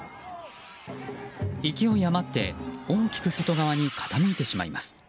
勢いあまって大きく外側に傾いてしまいます。